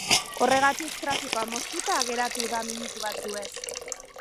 Horregatik, trafikoa moztuta geratu da minutu batzuez.